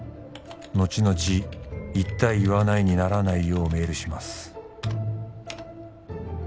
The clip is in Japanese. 「後々「言った言わない」にならないよう」「メールします」